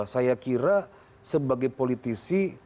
saya kira sebagai politisi